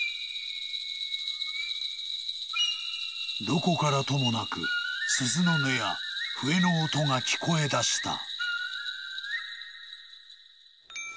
［どこからともなく鈴の音や笛の音が聞こえだした］・